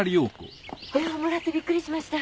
電話もらってびっくりしました。